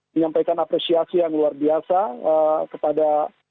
menyampaikan apresiasi yang luar biasa kepada